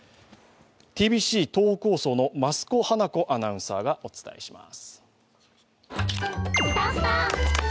ｔｂｃ東北放送の増子華子アナウンサーがお伝えします。